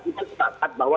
kita setakat bahwa